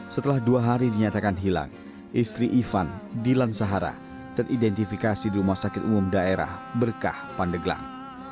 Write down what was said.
setelah dua hari dinyatakan hilang istri ivan dilan sahara teridentifikasi di rumah sakit umum daerah berkah pandeglang